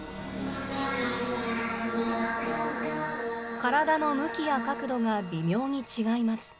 体の向きや角度が微妙に違います。